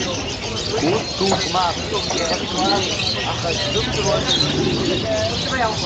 Ус дук мап, иҟасымҵеит, аха исзымдыруаз кыр сҵеит.